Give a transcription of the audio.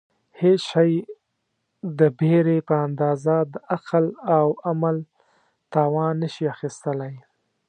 هېڅ شی د بېرې په اندازه د عقل او عمل توان نشي اخیستلای.